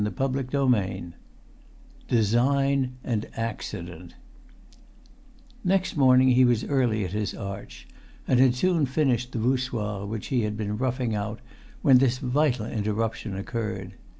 [Pg 275] XXIII DESIGN AND ACCIDENT Next morning he was early at his arch, and had soon finished the voussoir which he had been roughing out when this vital interruption occurred.